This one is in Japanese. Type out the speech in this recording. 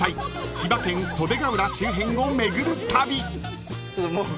千葉県袖ケ浦周辺を巡る旅］